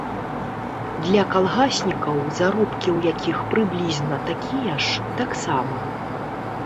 Для калгаснікаў, заробкі ў якіх прыблізна такія ж, таксама.